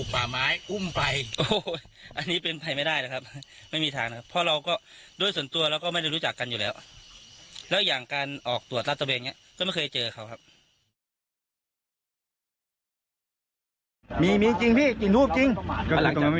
ผ่าน๓รอบแล้วผ่าน๓รอบไม่เคยได้กลิ่นทูบแต่วันเนี้ยได้กลิ่นทูบ